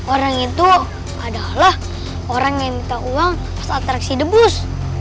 orang itu adalah orang yang minta uang pas atraksi debus